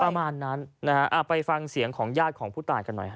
ประมาณนั้นนะฮะไปฟังเสียงของญาติของผู้ตายกันหน่อยฮ